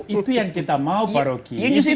itu yang kita mau pak rocky